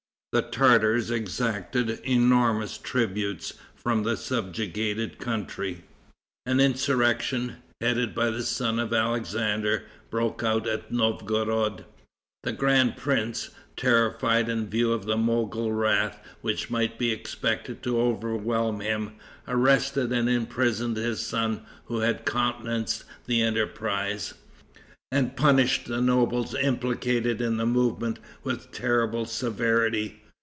The Tartars exacted enormous tribute from the subjugated country. An insurrection, headed by a son of Alexander, broke out at Novgorod. The grand prince, terrified in view of the Mogol wrath which might be expected to overwhelm him, arrested and imprisoned his son, who had countenanced the enterprise, and punished the nobles implicated in the movement with terrible severity.